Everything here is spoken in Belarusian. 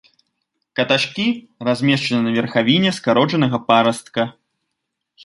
Каташкі размешчаны на верхавіне скарочанага парастка.